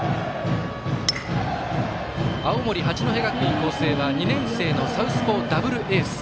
青森、八戸学院光星は２年生のサウスポーダブルエース。